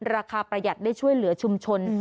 ประหยัดได้ช่วยเหลือชุมชน